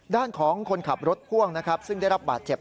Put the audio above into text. ด้านของคนขับรถพ่วงนะครับซึ่งได้รับบาดเจ็บ